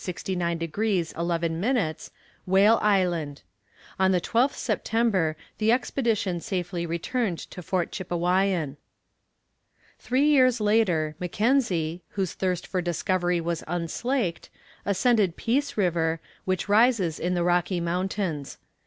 69 degrees 11 minutes, Whale Island. On the 12th September the expedition safely returned to Fort Chippewyan. Three years later Mackenzie, whose thirst for discovery was unslaked, ascended Peace River, which rises in the Rocky Mountains.